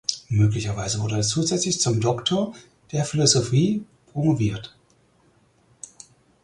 Möglicherweise wurde er zusätzlich zum Doktor der Philosophie promoviert.